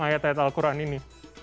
bagaimana melihat al quran ini